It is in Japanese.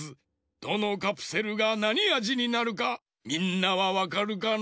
どのカプセルがなにあじになるかみんなはわかるかの？